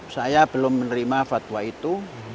saya belum menerima fatwa itu